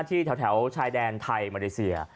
ที่แถวชายแดนไทยมาเลเซีย